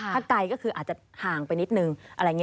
ถ้าไกลก็คืออาจจะห่างไปนิดหนึ่ง